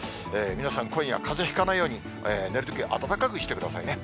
皆さん、今夜、かぜひかないように、寝るとき、暖かくしてくださいね。